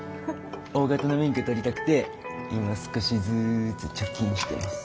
大型の免許取りたくて今少しずつ貯金してます。